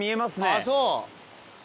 あぁそう。